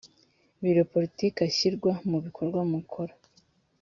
biro politiki ashyirwa mu bikorwa mukora